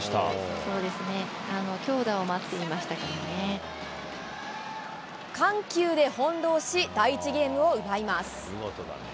そうですね、強打を待ってま緩急で翻弄し、第１ゲームを奪います。